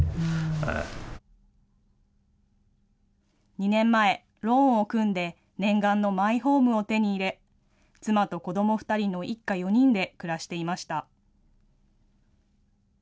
２年前、ローンを組んで念願のマイホームを手に入れ、妻と子ども２人の一家４人で暮らしていました。